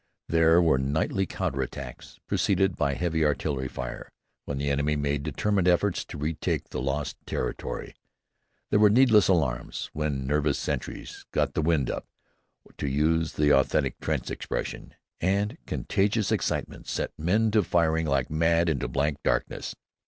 There were nightly counter attacks preceded by heavy artillery fire, when the enemy made determined efforts to retake the lost territory. There were needless alarms when nervous sentries "got the wind up," to use the authentic trench expression, and contagious excitement set men to firing like mad into blank darkness.